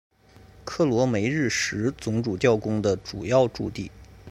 克罗梅日什总主教宫的主要驻地。